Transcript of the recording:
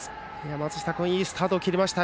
松下君いいスタートを切りました。